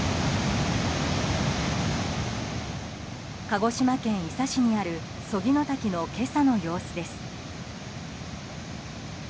鹿児島県伊佐市にある曽木の滝の今朝の様子です。